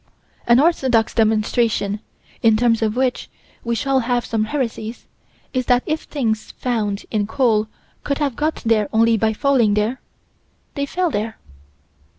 An orthodox demonstration, in terms of which we shall have some heresies, is that if things found in coal could have got there only by falling there they fell there.